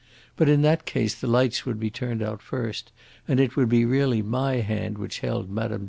But in that case the lights would be turned out first, and it would be really my hand which held Mme.